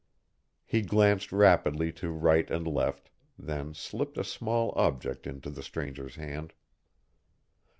He glanced rapidly to right and left, then slipped a small object into the stranger's hand.